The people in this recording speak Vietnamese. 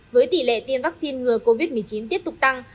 với tỷ lệ tiêm vaccine ngừa covid một mươi chín tiếp tục tăng